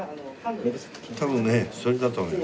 多分ねそれだと思います。